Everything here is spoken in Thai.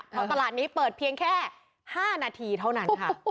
เพราะตลาดนี้เปิดเพียงแค่๕นาทีเท่านั้นค่ะ